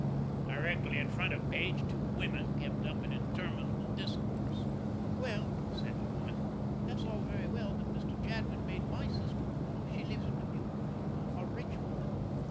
Directly in front of Page two women kept up an interminable discourse. "Well," said the one, "that's all very well, but Mr. Jadwin made my sister in law she lives in Dubuque, you know a rich woman.